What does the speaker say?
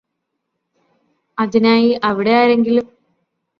അതിനായി അവിടെ ആരെങ്കിലും